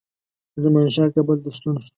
زمانشاه کابل ته ستون شو.